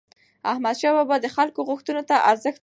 احمدشاه بابا د خلکو غوښتنو ته ارزښت ورکاوه.